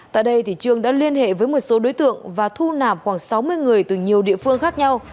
tại đây trương đã liên hệ với một số đối tượng và thu nảm khoảng sáu mươi người từ nhiều địa phương khác nhau